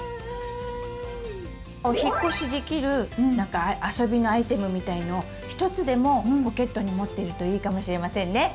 「お引っ越しできる」あそびのアイテムみたいのをひとつでもポケットに持ってるといいかもしれませんね！